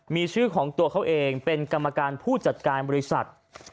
มีชื่อของตัวเขาเองเป็นกรรมการผู้จัดการบริษัท